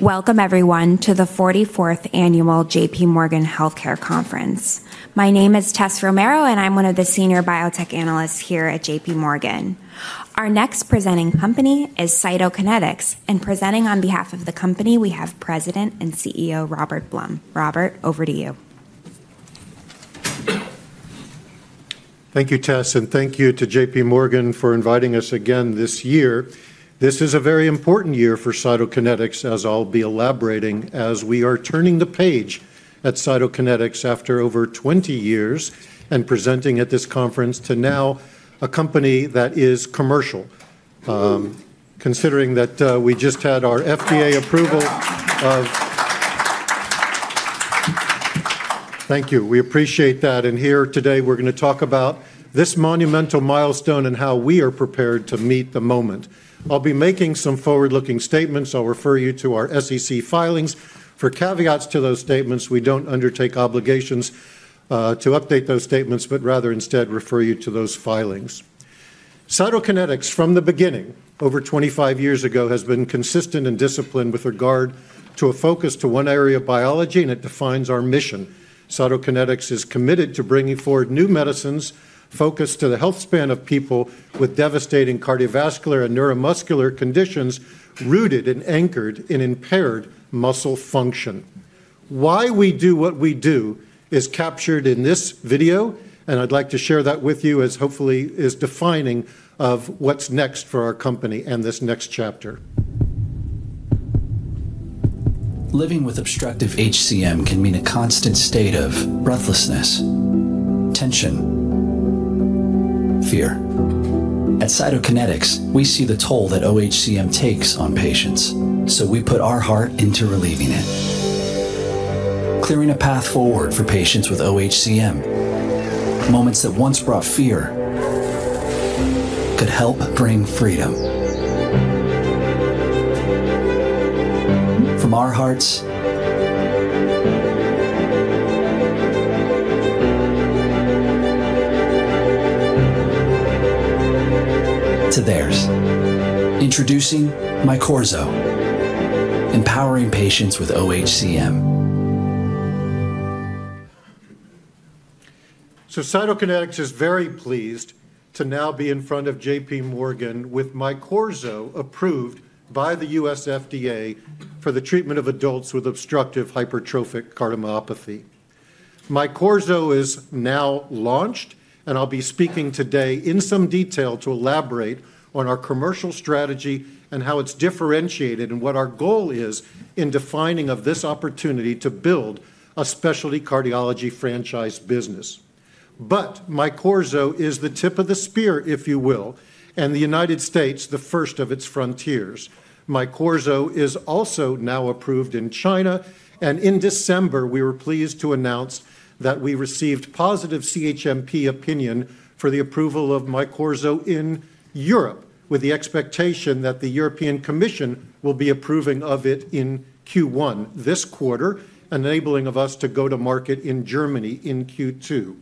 Welcome, everyone, to the 44th Annual J.P. Morgan Healthcare Conference. My name is Tessa Romero, and I'm one of the Senior Biotech Analysts here at J.P. Morgan. Our next presenting company is Cytokinetics, and presenting on behalf of the company, we have President and CEO Robert Blum. Robert, over to you. Thank you, Tess, and thank you to J.P. Morgan for inviting us again this year. This is a very important year for Cytokinetics, as I'll be elaborating, as we are turning the page at Cytokinetics after over 20 years and presenting at this conference to now a company that is commercial, considering that we just had our FDA approval of... Thank you. We appreciate that, and here today, we're going to talk about this monumental milestone and how we are prepared to meet the moment. I'll be making some forward-looking statements. I'll refer you to our SEC filings. For caveats to those statements, we don't undertake obligations to update those statements, but rather instead refer you to those filings. Cytokinetics, from the beginning, over 25 years ago, has been consistent and disciplined with regard to a focus to one area of biology, and it defines our mission. Cytokinetics is committed to bringing forward new medicines focused to the healthspan of people with devastating cardiovascular and neuromuscular conditions rooted and anchored in impaired muscle function. Why we do what we do is captured in this video, and I'd like to share that with you as hopefully is defining of what's next for our company and this next chapter. Living with obstructive HCM can mean a constant state of breathlessness, tension, fear. At Cytokinetics, we see the toll that OHCM takes on patients, so we put our heart into relieving it. Clearing a path forward for patients with OHCM, moments that once brought fear could help bring freedom from our hearts to theirs. Introducing Mycorrhiza, empowering patients with OHCM. Cytokinetics is very pleased to now be in front of J.P. Morgan with Mycorrhiza approved by the U.S. FDA for the treatment of adults with obstructive hypertrophic cardiomyopathy. Mycorrhiza is now launched, and I'll be speaking today in some detail to elaborate on our commercial strategy and how it's differentiated and what our goal is in defining this opportunity to build a specialty cardiology franchise business. But Mycorrhiza is the tip of the spear, if you will, and the United States, the first of its frontiers. Mycorrhiza is also now approved in China, and in December, we were pleased to announce that we received positive CHMP opinion for the approval of Mycorrhiza in Europe, with the expectation that the European Commission will be approving of it in Q1 this quarter, enabling us to go to market in Germany in Q2.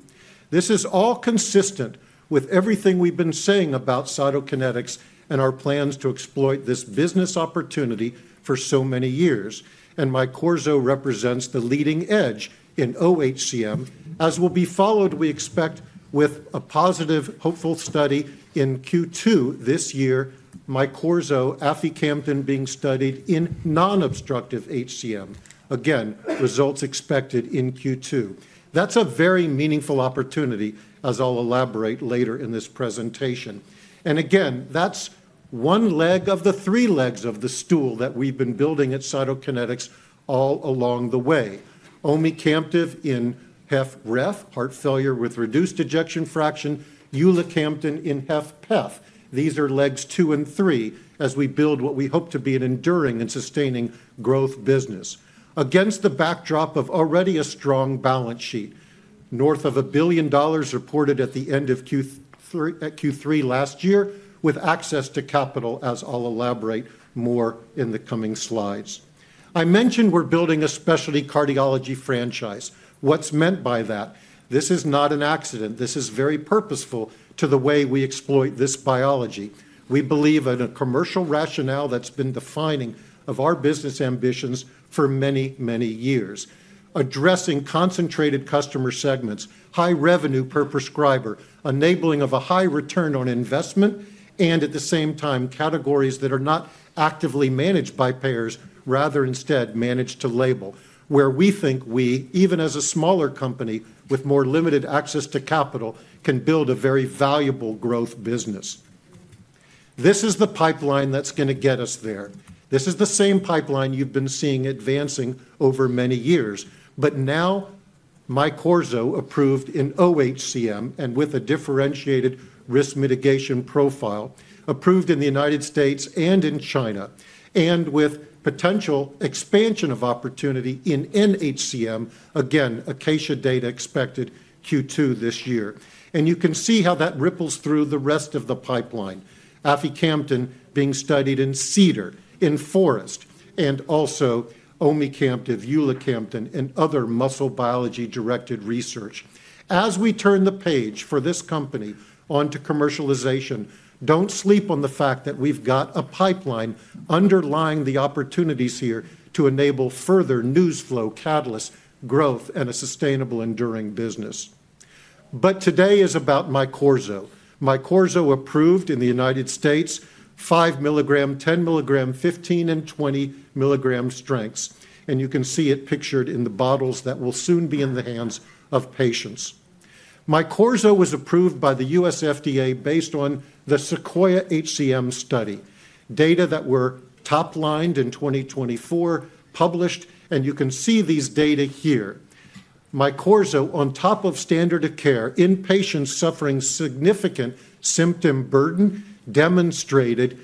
This is all consistent with everything we've been saying about Cytokinetics and our plans to exploit this business opportunity for so many years, and Mycorrhiza represents the leading edge in OHCM, as will be followed, we expect, with a positive, hopeful study in Q2 this year, Mycorrhiza aficamten being studied in non-obstructive HCM. Again, results expected in Q2. That's a very meaningful opportunity, as I'll elaborate later in this presentation, and again, that's one leg of the three legs of the stool that we've been building at Cytokinetics all along the way. omecamtiv in HFrEF, heart failure with reduced ejection fraction, eulacamten in HFpEF. These are legs two and three as we build what we hope to be an enduring and sustaining growth business. Against the backdrop of already a strong balance sheet, north of $1 billion reported at the end of Q3 last year, with access to capital, as I'll elaborate more in the coming slides. I mentioned we're building a specialty cardiology franchise. What's meant by that? This is not an accident. This is very purposeful to the way we exploit this biology. We believe in a commercial rationale that's been defining our business ambitions for many, many years, addressing concentrated customer segments, high revenue per prescriber, enabling a high return on investment, and at the same time, categories that are not actively managed by payers, rather instead managed to label, where we think we, even as a smaller company with more limited access to capital, can build a very valuable growth business. This is the pipeline that's going to get us there. This is the same pipeline you've been seeing advancing over many years, but now Mycorrhiza approved in OHCM and with a differentiated risk mitigation profile approved in the United States and in China, and with potential expansion of opportunity in NHCM, again, ACACIA data expected Q2 this year, and you can see how that ripples through the rest of the pipeline, aficamten being studied in CEDAR, in FOREST, and also omecamtiv, eulacamten, and other muscle biology-directed research. As we turn the page for this company onto commercialization, don't sleep on the fact that we've got a pipeline underlying the opportunities here to enable further news flow catalyst growth and a sustainable, enduring business, but today is about Mycorrhiza. Mycorrhiza approved in the United States, 5 mg, 10 mg, 15 mg and 20 mg strengths, and you can see it pictured in the bottles that will soon be in the hands of patients. Mycorrhiza was approved by the U.S. FDA based on the SEQUOIA-HCM study, data that were top-lined in 2024, published, and you can see these data here. Mycorrhiza, on top of standard of care in patients suffering significant symptom burden, demonstrated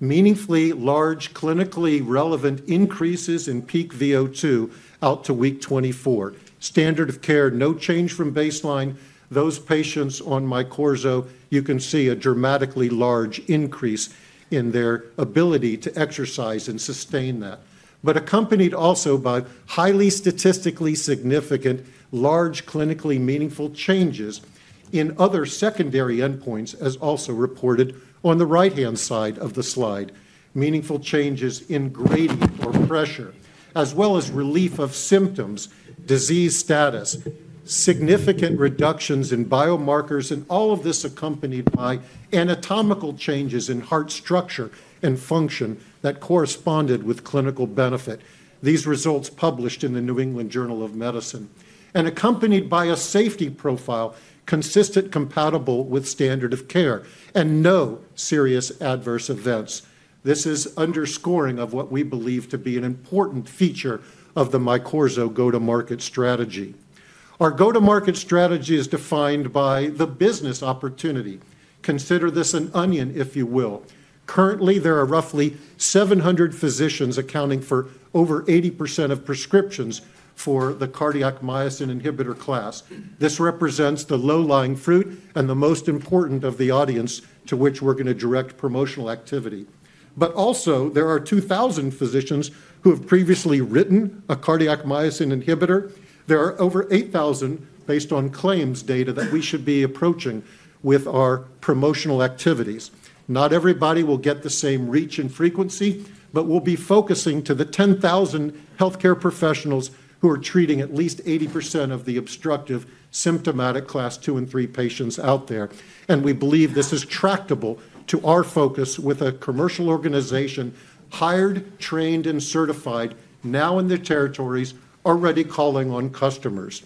meaningfully large clinically relevant increases in peak VO2 out to week 24. Standard of care, no change from baseline. Those patients on Mycorrhiza, you can see a dramatically large increase in their ability to exercise and sustain that, but accompanied also by highly statistically significant, large clinically meaningful changes in other secondary endpoints, as also reported on the right-hand side of the slide, meaningful changes in gradient or pressure, as well as relief of symptoms, disease status, significant reductions in biomarkers, and all of this accompanied by anatomical changes in heart structure and function that corresponded with clinical benefit. These results published in the New England Journal of Medicine and accompanied by a safety profile consistent, compatible with standard of care and no serious adverse events. This is underscoring of what we believe to be an important feature of the Mycorrhiza go-to-market strategy. Our go-to-market strategy is defined by the business opportunity. Consider this an onion, if you will. Currently, there are roughly 700 physicians accounting for over 80% of prescriptions for the cardiac myosin inhibitor class. This represents the low-lying fruit and the most important of the audience to which we're going to direct promotional activity. But also, there are 2,000 physicians who have previously written a cardiac myosin inhibitor. There are over 8,000 based on claims data that we should be approaching with our promotional activities. Not everybody will get the same reach and frequency, but we'll be focusing to the 10,000 healthcare professionals who are treating at least 80% of the obstructive symptomatic class two and three patients out there. And we believe this is tractable to our focus with a commercial organization hired, trained, and certified now in the territories already calling on customers.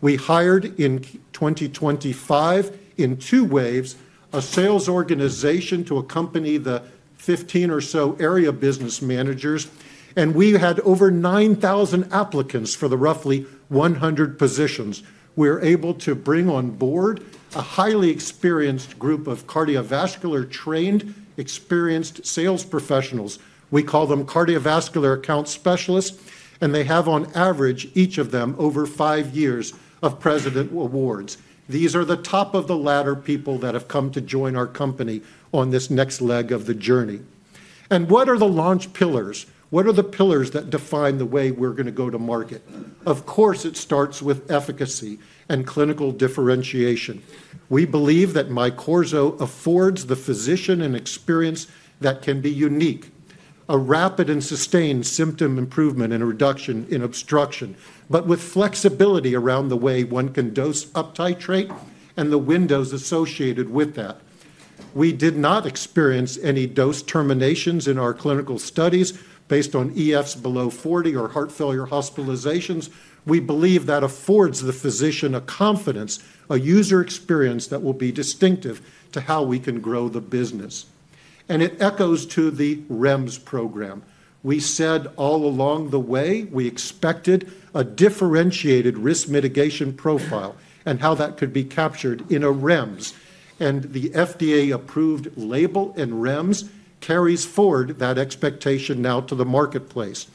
We hired in 2025 in two waves a sales organization to accompany the 15 or so area business managers, and we had over 9,000 applicants for the roughly 100 positions. We're able to bring on board a highly experienced group of cardiovascular-trained, experienced sales professionals. We call them cardiovascular account specialists, and they have on average, each of them, over five years of president awards. These are the top of the ladder people that have come to join our company on this next leg of the journey. And what are the launch pillars? What are the pillars that define the way we're going to go to market? Of course, it starts with efficacy and clinical differentiation. We believe that Mycorrhiza affords the physician an experience that can be unique, a rapid and sustained symptom improvement and reduction in obstruction, but with flexibility around the way one can dose up-titrate and the windows associated with that. We did not experience any dose terminations in our clinical studies based on EFs below 40 or heart failure hospitalizations. We believe that affords the physician a confidence, a user experience that will be distinctive to how we can grow the business, and it echoes to the REMS program. We said all along the way we expected a differentiated risk mitigation profile and how that could be captured in a REMS, and the FDA-approved label in REMS carries forward that expectation now to the marketplace.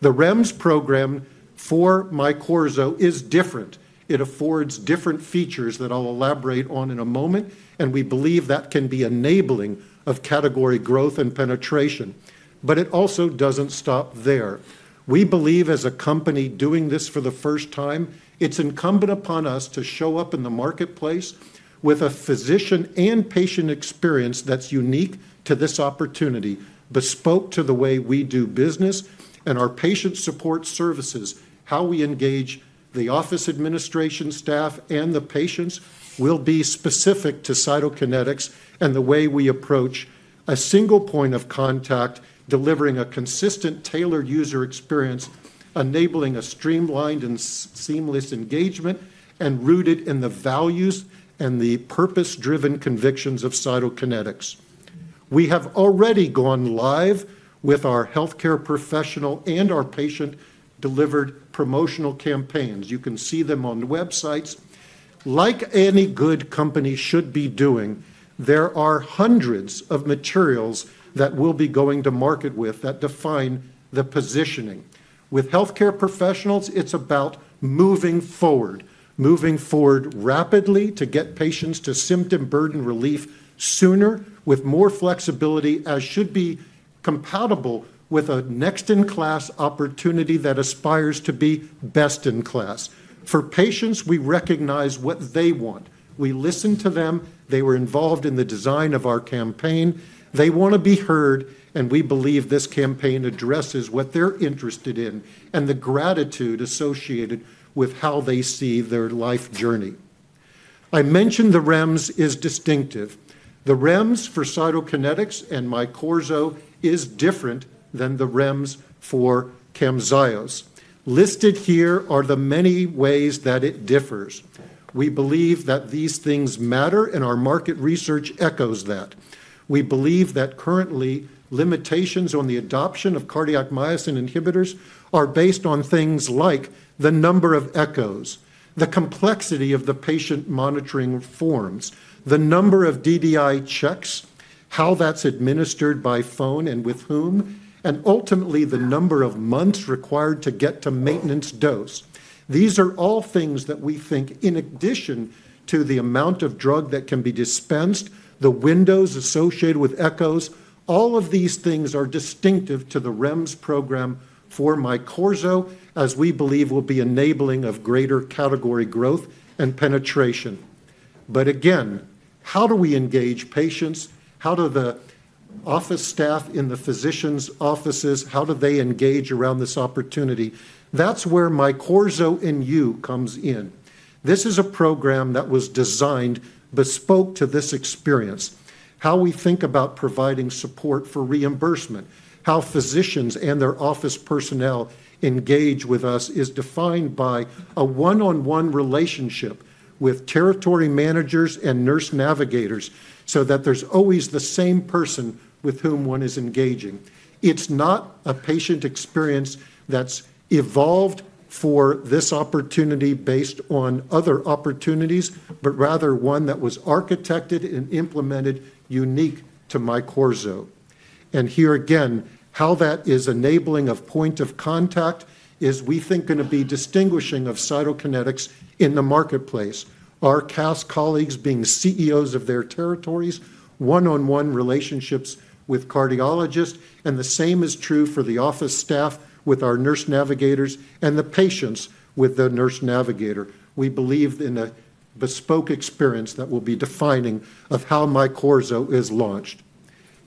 The REMS program for Mycorrhiza is different. It affords different features that I'll elaborate on in a moment, and we believe that can be enabling of category growth and penetration. But it also doesn't stop there. We believe, as a company doing this for the first time, it's incumbent upon us to show up in the marketplace with a physician and patient experience that's unique to this opportunity, bespoke to the way we do business and our patient support services, how we engage the office administration staff and the patients will be specific to Cytokinetics and the way we approach a single point of contact, delivering a consistent, tailored user experience, enabling a streamlined and seamless engagement and rooted in the values and the purpose-driven convictions of Cytokinetics. We have already gone live with our healthcare professional and our patient-delivered promotional campaigns. You can see them on websites. Like any good company should be doing, there are hundreds of materials that we'll be going to market with that define the positioning. With healthcare professionals, it's about moving forward, moving forward rapidly to get patients to symptom burden relief sooner with more flexibility, as should be compatible with a next-in-class opportunity that aspires to be best in class. For patients, we recognize what they want. We listen to them. They were involved in the design of our campaign. They want to be heard, and we believe this campaign addresses what they're interested in and the gratitude associated with how they see their life journey. I mentioned the REMS is distinctive. The REMS for Cytokinetics and Mycorrhiza is different than the REMS for CAMZYOS. Listed here are the many ways that it differs. We believe that these things matter, and our market research echoes that. We believe that currently, limitations on the adoption of cardiac myosin inhibitors are based on things like the number of echoes, the complexity of the patient monitoring forms, the number of DDI checks, how that's administered by phone and with whom, and ultimately, the number of months required to get to maintenance dose. These are all things that we think, in addition to the amount of drug that can be dispensed, the windows associated with echoes, all of these things are distinctive to the REMS program for Mycorrhiza, as we believe will be enabling of greater category growth and penetration. But again, how do we engage patients? How do the office staff in the physicians' offices, how do they engage around this opportunity? That's where Mycorrhiza in You comes in. This is a program that was designed bespoke to this experience. How we think about providing support for reimbursement, how physicians and their office personnel engage with us is defined by a one-on-one relationship with territory managers and nurse navigators so that there's always the same person with whom one is engaging. It's not a patient experience that's evolved for this opportunity based on other opportunities, but rather one that was architected and implemented unique to Mycorrhiza, and here again, how that is enabling of point of contact is we think going to be distinguishing of Cytokinetics in the marketplace, our sales colleagues being CEOs of their territories, one-on-one relationships with cardiologists, and the same is true for the office staff with our nurse navigators and the patients with the nurse navigator. We believe in a bespoke experience that will be defining of how Mycorrhiza is launched.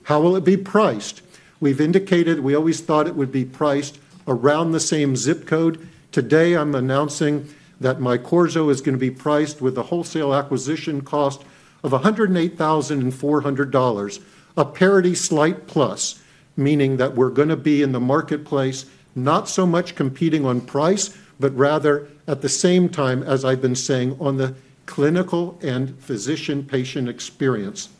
How will it be priced? We've indicated we always thought it would be priced around the same zip code. Today, I'm announcing that Mycorrhiza is going to be priced with a wholesale acquisition cost of $108,400, a parity slight plus, meaning that we're going to be in the marketplace, not so much competing on price, but rather at the same time, as I've been saying, on the clinical and physician-patient experience.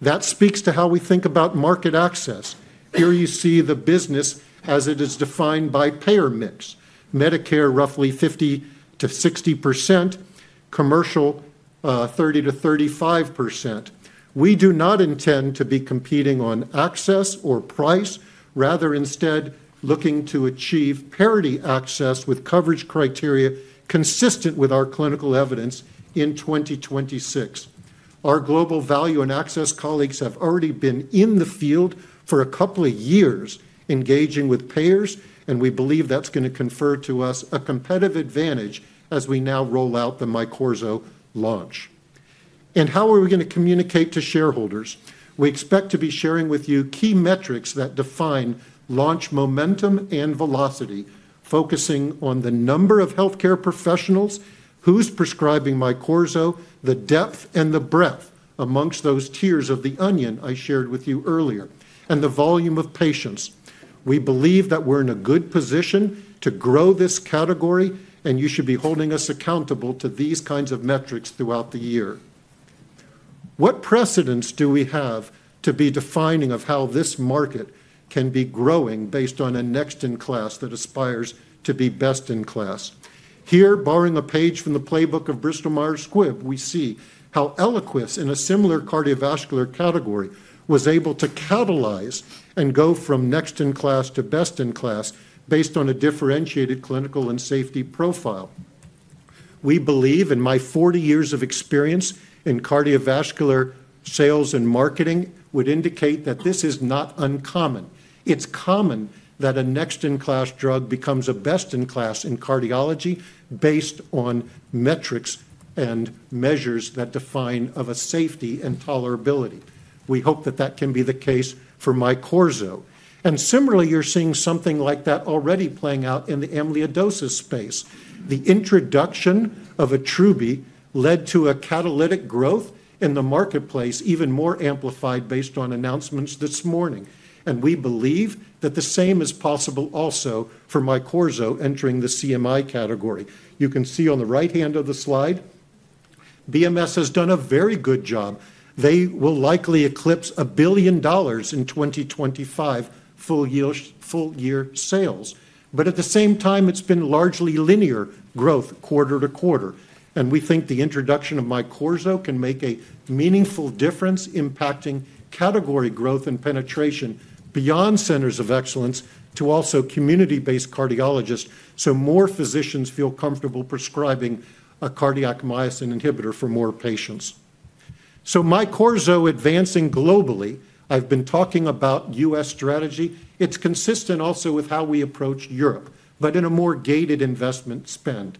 That speaks to how we think about market access. Here you see the business as it is defined by payer mix, Medicare roughly 50%-60%, commercial 30%-35%. We do not intend to be competing on access or price, rather instead looking to achieve parity access with coverage criteria consistent with our clinical evidence in 2026. Our global value and access colleagues have already been in the field for a couple of years engaging with payers, and we believe that's going to confer to us a competitive advantage as we now roll out the Mycorrhiza launch. How are we going to communicate to shareholders? We expect to be sharing with you key metrics that define launch momentum and velocity, focusing on the number of healthcare professionals who's prescribing Mycorrhiza, the depth and the breadth amongst those tiers of the onion I shared with you earlier, and the volume of patients. We believe that we're in a good position to grow this category, and you should be holding us accountable to these kinds of metrics throughout the year. What precedence do we have to be defining of how this market can be growing based on a next-in-class that aspires to be best in class? Here, borrowing a page from the playbook of Bristol Myers Squibb, we see how Eliquis in a similar cardiovascular category was able to catalyze and go from next-in-class to best-in-class based on a differentiated clinical and safety profile. We believe in my 40 years of experience in cardiovascular sales and marketing would indicate that this is not uncommon. It's common that a next-in-class drug becomes a best-in-class in cardiology based on metrics and measures that define a safety and tolerability. We hope that that can be the case for Mycorrhiza and similarly, you're seeing something like that already playing out in the amyloidosis space. The introduction of Attruby led to a catalytic growth in the marketplace even more amplified based on announcements this morning. We believe that the same is possible also for Mycorrhiza entering the CMI category. You can see on the right-hand of the slide, BMS has done a very good job. They will likely eclipse $1 billion in 2025 full-year sales. But at the same time, it's been largely linear growth quarter to quarter. And we think the introduction of Mycorrhiza can make a meaningful difference impacting category growth and penetration beyond centers of excellence to also community-based cardiologists so more physicians feel comfortable prescribing a cardiac myosin inhibitor for more patients. So Mycorrhiza advancing globally, I've been talking about U.S. strategy. It's consistent also with how we approach Europe, but in a more gated investment spend.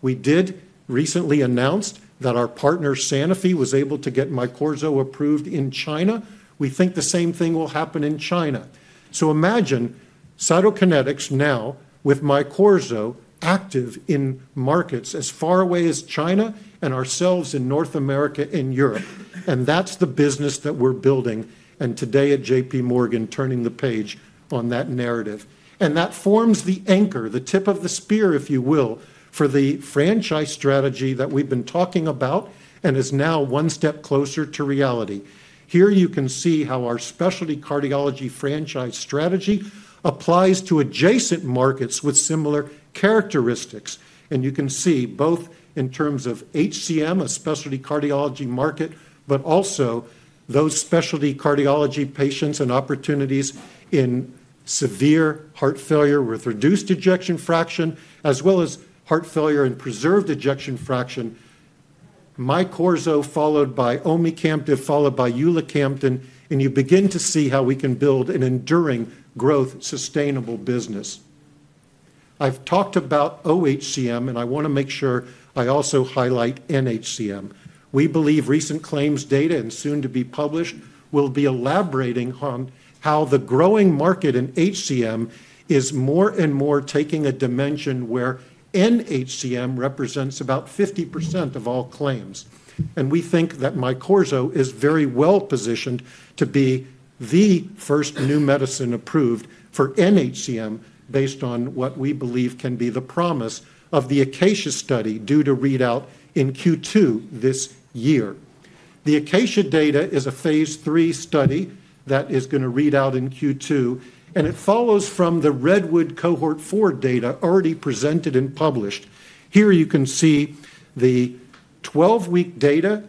We did recently announce that our partner Sanofi was able to get Mycorrhiza approved in China. We think the same thing will happen in China. So imagine Cytokinetics now with Mycorrhiza active in markets as far away as China and ourselves in North America and Europe. That's the business that we're building. Today at J.P. Morgan, turning the page on that narrative. That forms the anchor, the tip of the spear, if you will, for the franchise strategy that we've been talking about and is now one step closer to reality. Here you can see how our specialty cardiology franchise strategy applies to adjacent markets with similar characteristics. You can see both in terms of HCM, a specialty cardiology market, but also those specialty cardiology patients and opportunities in severe heart failure with reduced ejection fraction, as well as heart failure and preserved ejection fraction, Mycorrhiza followed by omecamtiv, followed by eulacamten. You begin to see how we can build an enduring growth, sustainable business. I've talked about OHCM, and I want to make sure I also highlight NHCM. We believe recent claims data and soon to be published will be elaborating on how the growing market in HCM is more and more taking a dimension where NHCM represents about 50% of all claims, and we think that Mycorrhiza is very well positioned to be the first new medicine approved for NHCM based on what we believe can be the promise of the ACACIA study due to read out in Q2 this year. The ACACIA data is a phase III study that is going to read out in Q2, and it follows from the REDWOOD Cohort 4 data already presented and published. Here you can see the 12-week data,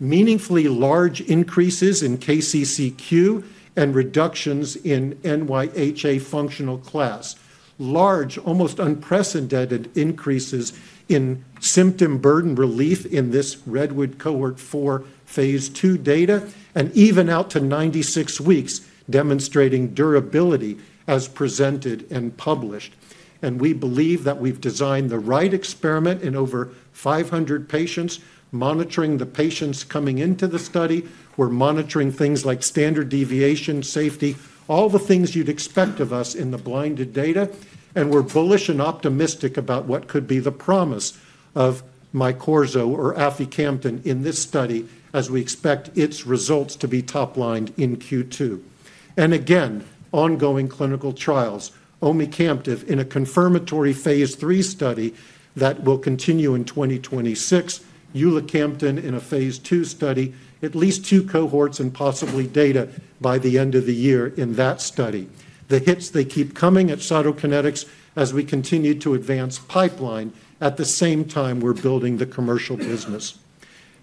meaningfully large increases in KCCQ and reductions in NYHA functional class. Large, almost unprecedented increases in symptom burden relief in this REDWOOD Cohort 4 phase II data and even out to 96 weeks demonstrating durability as presented and published. We believe that we've designed the right experiment in over 500 patients, monitoring the patients coming into the study. We're monitoring things like standard deviation, safety, all the things you'd expect of us in the blinded data. We're bullish and optimistic about what could be the promise of Mycorrhiza or aficamten in this study as we expect its results to be top-line in Q2. Again, ongoing clinical trials, omecamtiv in a confirmatory phase III study that will continue in 2026, eulacamten in a phase II study, at least two cohorts and possibly data by the end of the year in that study. The hits they keep coming at Cytokinetics as we continue to advance pipeline at the same time we're building the commercial business.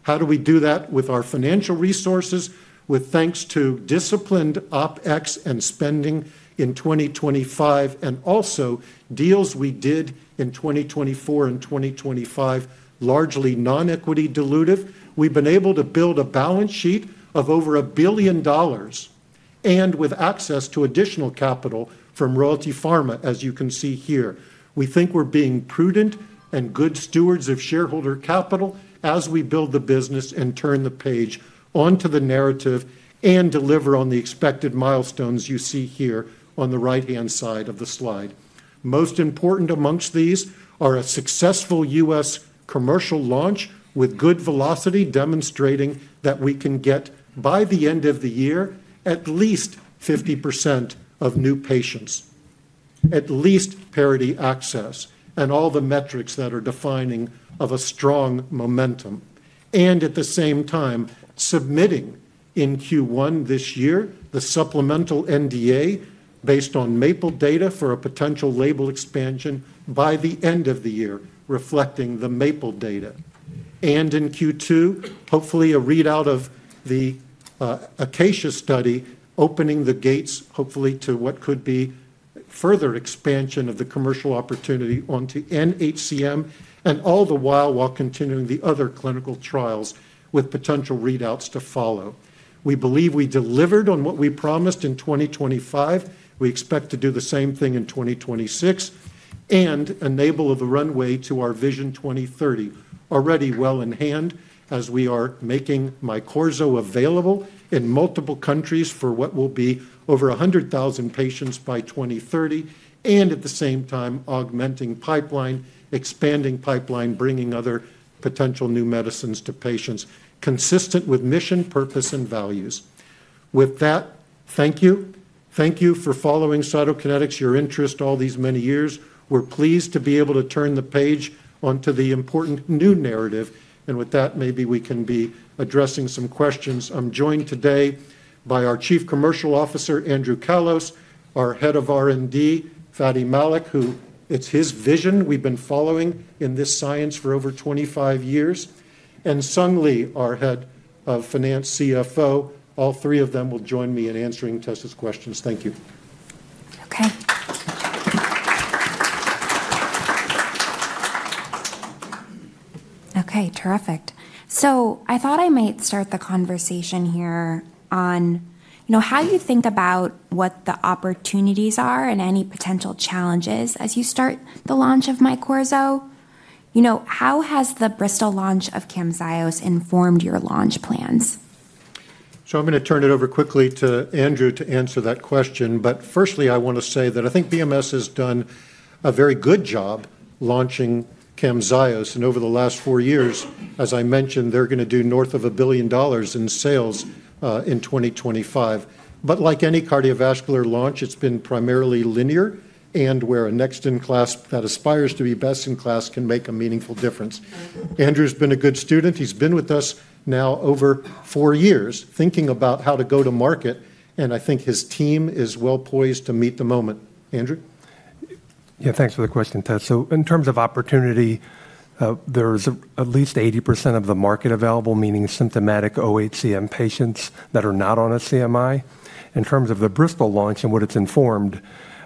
How do we do that with our financial resources? With thanks to disciplined OpEx and spending in 2025 and also deals we did in 2024 and 2025, largely non-equity dilutive, we've been able to build a balance sheet of over $1 billion and with access to additional capital from Royalty Pharma, as you can see here. We think we're being prudent and good stewards of shareholder capital as we build the business and turn the page onto the narrative and deliver on the expected milestones you see here on the right-hand side of the slide. Most important amongst these are a successful U.S. commercial launch with good velocity demonstrating that we can get by the end of the year at least 50% of new patients, at least parity access and all the metrics that are defining of a strong momentum. And at the same time, submitting in Q1 this year the supplemental NDA based on MAPLE data for a potential label expansion by the end of the year, reflecting the MAPLE data. And in Q2, hopefully a read out of the ACACIA study opening the gates hopefully to what could be further expansion of the commercial opportunity onto NHCM and all the while continuing the other clinical trials with potential readouts to follow. We believe we delivered on what we promised in 2025. We expect to do the same thing in 2026 and enable the runway to our vision 2030 already well in hand as we are making Mycorrhiza available in multiple countries for what will be over 100,000 patients by 2030 and at the same time augmenting pipeline, expanding pipeline, bringing other potential new medicines to patients consistent with mission, purpose, and values. With that, thank you. Thank you for following Cytokinetics, your interest all these many years. We're pleased to be able to turn the page onto the important new narrative, and with that, maybe we can be addressing some questions. I'm joined today by our Chief Commercial Officer, Andrew Callos, our Head of R&D, Fady Malik, whose vision we've been following in this science for over 25 years, and Sung Lee, our Head of Finance, CFO. All three of them will join me in answering Tessa's questions. Thank you. Okay. Okay, terrific. So I thought I might start the conversation here on how you think about what the opportunities are and any potential challenges as you start the launch of Mycorrhiza. How has the Bristol launch of CAMZYOS informed your launch plans? I'm going to turn it over quickly to Andrew to answer that question. But firstly, I want to say that I think BMS has done a very good job launching CAMZYOS. And over the last four years, as I mentioned, they're going to do north of $1 billion in sales in 2025. But like any cardiovascular launch, it's been primarily linear and where a next-in-class that aspires to be best in class can make a meaningful difference. Andrew's been a good student. He's been with us now over four years thinking about how to go to market. And I think his team is well poised to meet the moment. Andrew. Yeah, thanks for the question, Tessa. So in terms of opportunity, there's at least 80% of the market available, meaning symptomatic OHCM patients that are not on a CMI. In terms of the Bristol launch and what it's informed,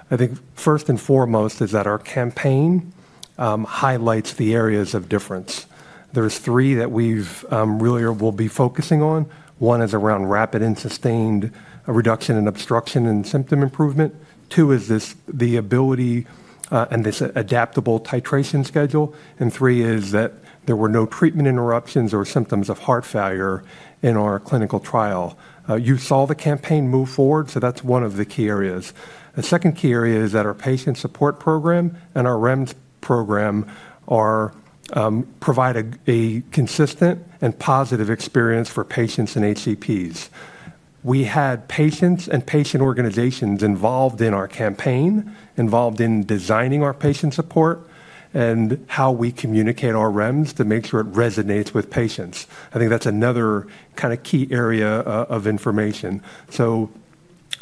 I think first and foremost is that our campaign highlights the areas of difference. There's three that we really will be focusing on. One is around rapid and sustained reduction and obstruction and symptom improvement. Two is the ability and this adaptable titration schedule. And three is that there were no treatment interruptions or symptoms of heart failure in our clinical trial. You saw the campaign move forward, so that's one of the key areas. A second key area is that our patient support program and our REMS program provide a consistent and positive experience for patients and HCPs. We had patients and patient organizations involved in our campaign, involved in designing our patient support and how we communicate our REMS to make sure it resonates with patients. I think that's another kind of key area of information, so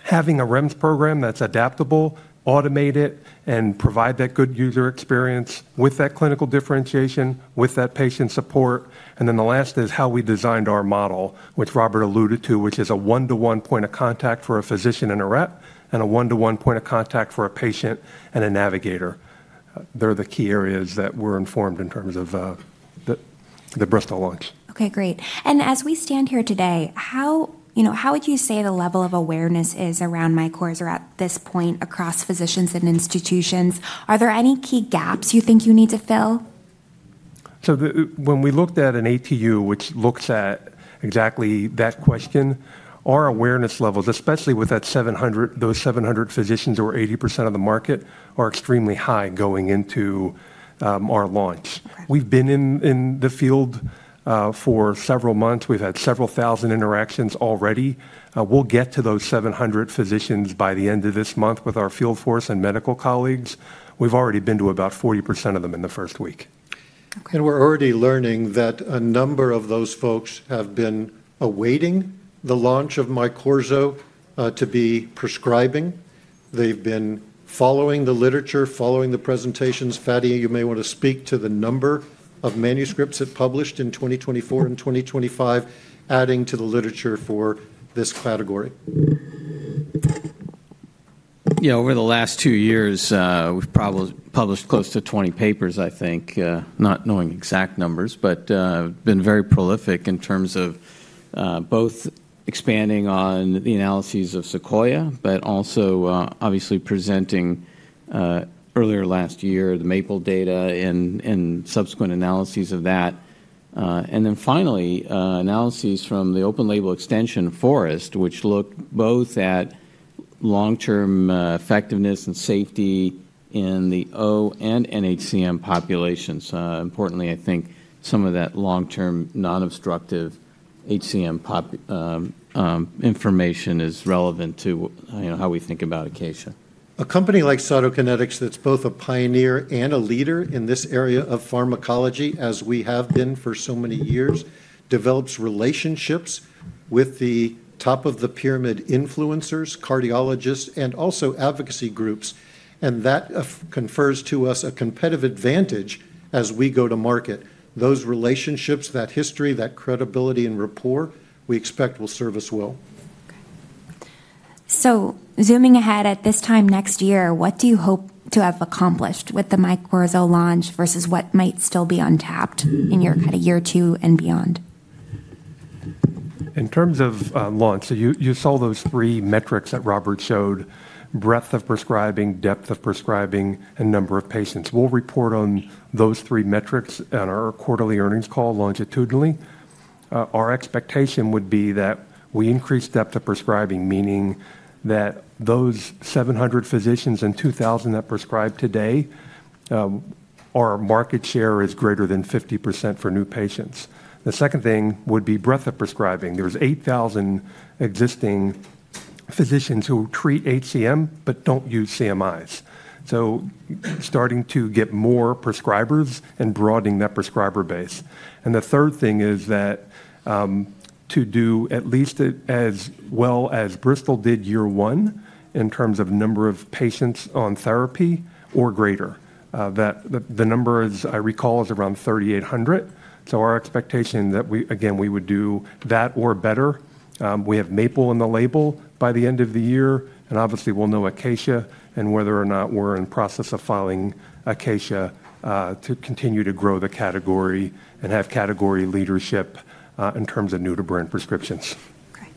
having a REMS program that's adaptable, automated, and provides that good user experience with that clinical differentiation, with that patient support, and then the last is how we designed our model, which Robert alluded to, which is a one-to-one point of contact for a physician and a rep and a one-to-one point of contact for a patient and a navigator. They're the key areas that were informed in terms of the Bristol launch. Okay, great. And as we stand here today, how would you say the level of awareness is around Mycorrhiza at this point across physicians and institutions? Are there any key gaps you think you need to fill? So when we looked at an ATU, which looks at exactly that question, our awareness levels, especially with those 700 physicians or 80% of the market, are extremely high going into our launch. We've been in the field for several months. We've had several thousand interactions already. We'll get to those 700 physicians by the end of this month with our field force and medical colleagues. We've already been to about 40% of them in the first week. We're already learning that a number of those folks have been awaiting the launch of Mycorrhiza to be prescribing. They've been following the literature, following the presentations. Fady, you may want to speak to the number of manuscripts published in 2024 and 2025, adding to the literature for this category. Yeah, over the last two years, we've probably published close to 20 papers, I think, not knowing exact numbers, but been very prolific in terms of both expanding on the analyses of SEQUOIA, but also obviously presenting earlier last year the MAPLE data and subsequent analyses of that. And then finally, analyses from the Open Label Extension FOREST, which looked both at long-term effectiveness and safety in the O and NHCM populations. Importantly, I think some of that long-term non-obstructive HCM information is relevant to how we think about ACACIA. A company like Cytokinetics that's both a pioneer and a leader in this area of pharmacology, as we have been for so many years, develops relationships with the top of the pyramid influencers, cardiologists, and also advocacy groups, and that confers to us a competitive advantage as we go to market. Those relationships, that history, that credibility and rapport, we expect will serve us well. Okay. So zooming ahead at this time next year, what do you hope to have accomplished with the Mycorrhiza launch versus what might still be untapped in your kind of year two and beyond? In terms of launch, so you saw those three metrics that Robert showed: breadth of prescribing, depth of prescribing, and number of patients. We'll report on those three metrics on our quarterly earnings call longitudinally. Our expectation would be that we increase depth of prescribing, meaning that those 700 physicians and 2,000 that prescribe today, our market share is greater than 50% for new patients. The second thing would be breadth of prescribing. There's 8,000 existing physicians who treat HCM but don't use CMIs. So starting to get more prescribers and broadening that prescriber base. And the third thing is that to do at least as well as Bristol did year one in terms of number of patients on therapy or greater. The number, as I recall, is around 3,800. So our expectation that we, again, we would do that or better. We have MAPLE on the label by the end of the year, and obviously, we'll know ACACIA and whether or not we're in the process of filing ACACIA to continue to grow the category and have category leadership in terms of new-to-brand prescriptions. Okay.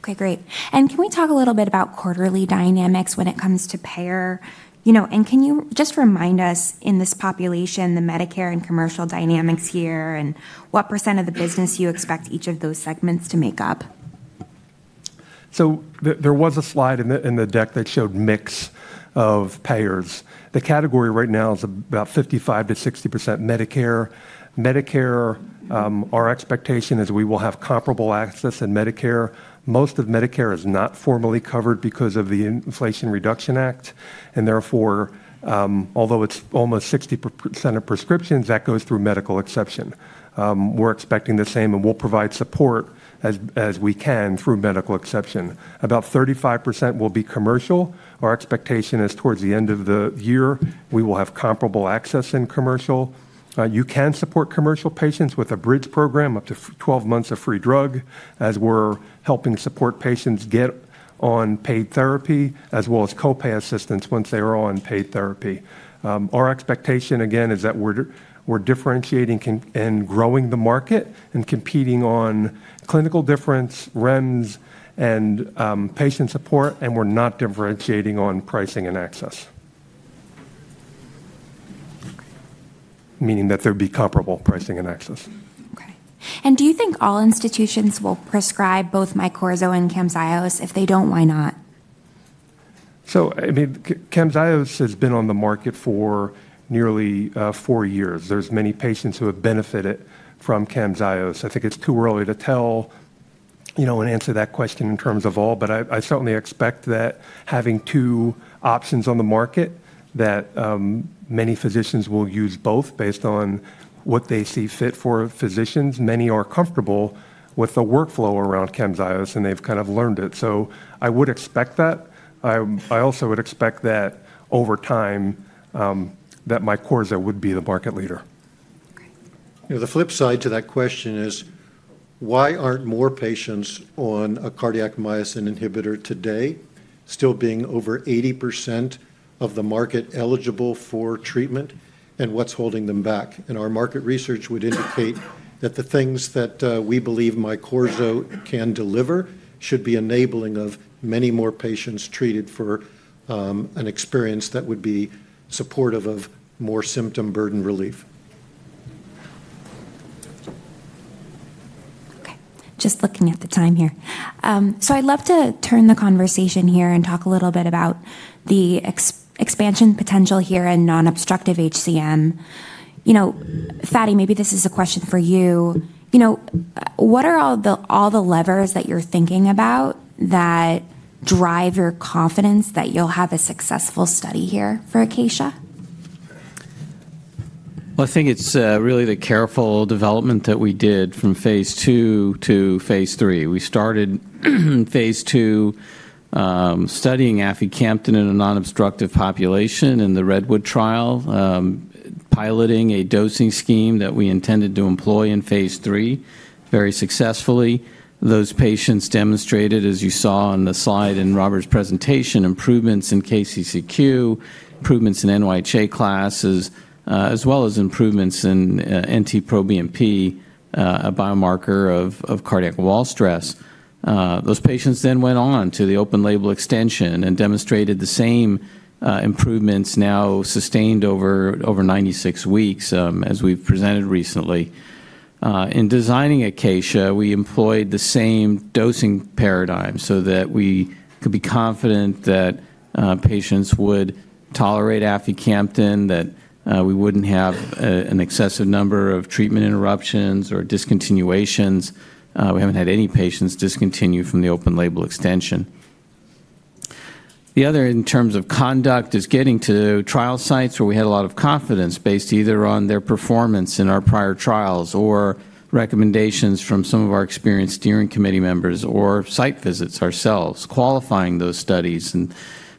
Okay, great. And can we talk a little bit about quarterly dynamics when it comes to payer? And can you just remind us in this population, the Medicare and commercial dynamics here and what percent of the business you expect each of those segments to make up? There was a slide in the deck that showed mix of payers. The category right now is about 55%-60% Medicare. Medicare, our expectation is we will have comparable access in Medicare. Most of Medicare is not formally covered because of the Inflation Reduction Act. And therefore, although it's almost 60% of prescriptions, that goes through medical exception. We're expecting the same, and we'll provide support as we can through medical exception. About 35% will be commercial. Our expectation is towards the end of the year, we will have comparable access in commercial. You can support commercial patients with a bridge program, up to 12 months of free drug, as we're helping support patients get on paid therapy as well as copay assistance once they are on paid therapy. Our expectation, again, is that we're differentiating and growing the market and competing on clinical difference, REMS, and patient support, and we're not differentiating on pricing and access, meaning that there'd be comparable pricing and access. Okay. Do you think all institutions will prescribe both Mycorrhiza and CAMZYOS? If they don't, why not? CAMZYOS has been on the market for nearly four years. There are many patients who have benefited from CAMZYOS. I think it's too early to tell and answer that question in terms of all, but I certainly expect that having two options on the market, that many physicians will use both based on what they see fit for physicians. Many are comfortable with the workflow around CAMZYOS, and they've kind of learned it. I would expect that. I also would expect that over time that Mycorrhiza would be the market leader. The flip side to that question is, why aren't more patients on a cardiac myosin inhibitor today still being over 80% of the market eligible for treatment, and what's holding them back? And our market research would indicate that the things that we believe Mycorrhiza can deliver should be enabling of many more patients treated for an experience that would be supportive of more symptom burden relief. Okay. Just looking at the time here. I'd love to turn the conversation here and talk a little bit about the expansion potential here in non-obstructive HCM. Fady, maybe this is a question for you. What are all the levers that you're thinking about that drive your confidence that you'll have a successful study here for ACACIA? I think it's really the careful development that we did from phase II to phase III. We started phase II studying aficamten in a non-obstructive population in the REDWOOD trial, piloting a dosing scheme that we intended to employ in phase III very successfully. Those patients demonstrated, as you saw on the slide in Robert's presentation, improvements in KCCQ, improvements in NYHA classes, as well as improvements in NT-proBNP, a biomarker of cardiac wall stress. Those patients then went on to the Open Label Extension and demonstrated the same improvements, now sustained over 96 weeks, as we've presented recently. In designing ACACIA, we employed the same dosing paradigm so that we could be confident that patients would tolerate aficamten, that we wouldn't have an excessive number of treatment interruptions or discontinuations. We haven't had any patients discontinue from the Open Label Extension. The other, in terms of conduct, is getting to trial sites where we had a lot of confidence based either on their performance in our prior trials or recommendations from some of our experienced steering committee members or site visits ourselves, qualifying those studies in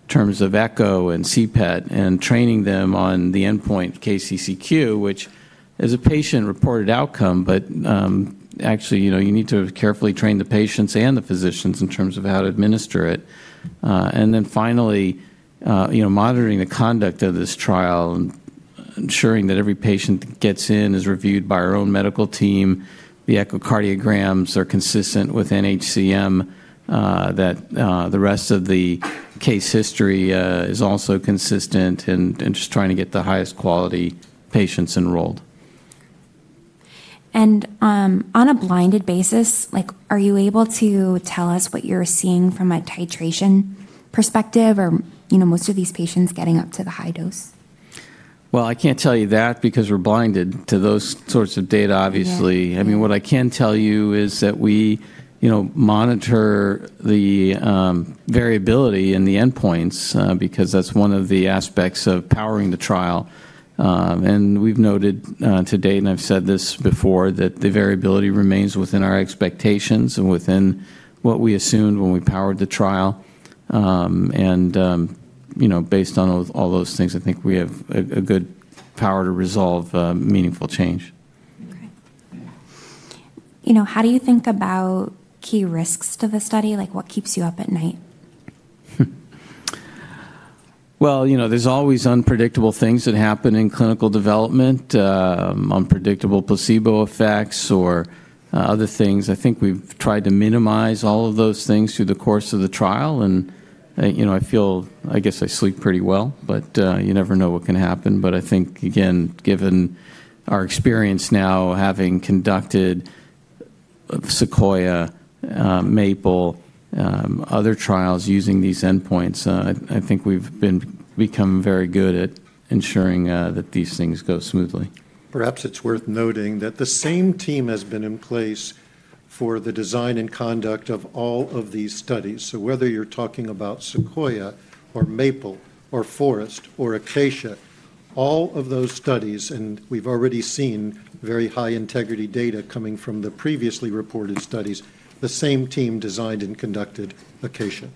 terms of ECHO and CPET and training them on the endpoint KCCQ, which is a patient-reported outcome, but actually you need to carefully train the patients and the physicians in terms of how to administer it, and then finally, monitoring the conduct of this trial and ensuring that every patient that gets in is reviewed by our own medical team, the echocardiograms are consistent with NHCM, that the rest of the case history is also consistent, and just trying to get the highest quality patients enrolled. On a blinded basis, are you able to tell us what you're seeing from a titration perspective or most of these patients getting up to the high dose? I can't tell you that because we're blinded to those sorts of data, obviously. I mean, what I can tell you is that we monitor the variability in the endpoints because that's one of the aspects of powering the trial. We've noted to date, and I've said this before, that the variability remains within our expectations and within what we assumed when we powered the trial. Based on all those things, I think we have a good power to resolve meaningful change. Okay. How do you think about key risks to the study? What keeps you up at night? There's always unpredictable things that happen in clinical development, unpredictable placebo effects, or other things. I think we've tried to minimize all of those things through the course of the trial. I feel, I guess I sleep pretty well, but you never know what can happen. I think, again, given our experience now having conducted SEQUOIA, MAPLE, other trials using these endpoints, I think we've become very good at ensuring that these things go smoothly. Perhaps it's worth noting that the same team has been in place for the design and conduct of all of these studies. So whether you're talking about SEQUOIA or MAPLE or FOREST or ACACIA, all of those studies, and we've already seen very high integrity data coming from the previously reported studies, the same team designed and conducted ACACIA.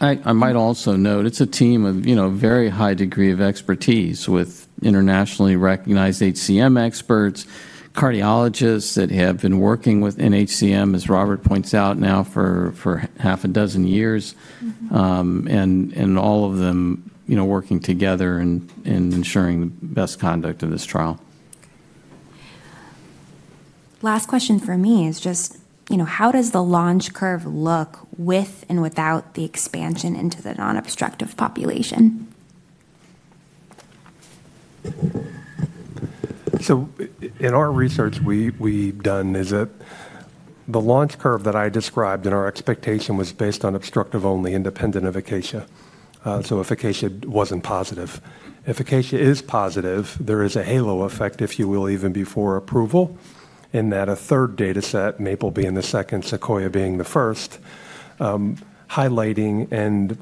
I might also note it's a team of very high degree of expertise with internationally recognized HCM experts, cardiologists that have been working with NHCM, as Robert points out now for half a dozen years, and all of them working together in ensuring the best conduct of this trial. Okay. Last question for me is just, how does the launch curve look with and without the expansion into the non-obstructive population? So, in our research we've done, is that the launch curve that I described and our expectation was based on obstructive-only independent of ACACIA. So if ACACIA wasn't positive. If ACACIA is positive, there is a halo effect, if you will, even before approval, in that a third dataset, MAPLE being the second, SEQUOIA being the first, highlighting and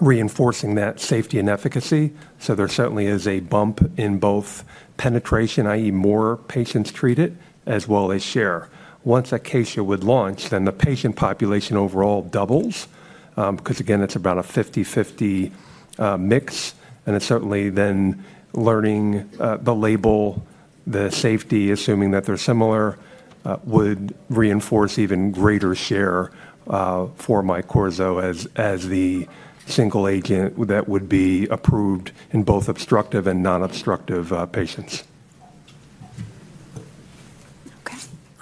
reinforcing that safety and efficacy. So there certainly is a bump in both penetration, i.e., more patients treat it, as well as share. Once ACACIA would launch, then the patient population overall doubles because, again, it's about a 50/50 mix, and it's certainly then learning the label, the safety, assuming that they're similar, would reinforce even greater share for Mycorrhiza as the single agent that would be approved in both obstructive and non-obstructive patients. Okay.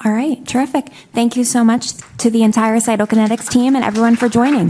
All right. Terrific. Thank you so much to the entire Cytokinetics team and everyone for joining.